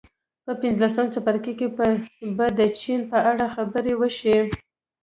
په پنځلسم څپرکي کې به د چین په اړه خبرې وشي